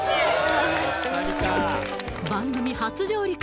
番組初上陸